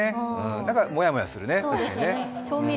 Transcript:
だからもやもやするね。